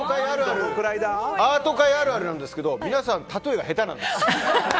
アート界あるあるなんですけど皆さん、たとえが下手なんです。